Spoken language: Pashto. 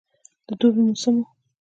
د دوبی موسم ده